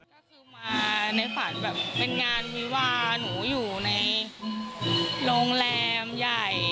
ก็คือมาในฝันแบบเป็นงานวิวาหนูอยู่ในโรงแรมใหญ่